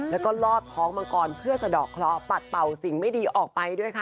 แล้วก็ลอดท้องมังกรเพื่อสะดอกเคราะห์ปัดเป่าสิ่งไม่ดีออกไปด้วยค่ะ